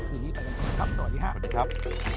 สวัสดีครับ